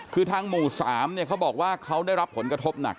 คือทางหมู่๓เขาบอกว่าเขาได้รับผลกระทบหนัก